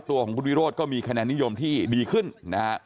ตัวของคุณวิโรธก็มีคะแนนนิยมที่ดีขึ้นนะฮะ